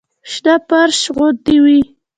شنه فرش غوندې وي.